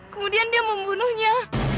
kemudian dia membunuhnya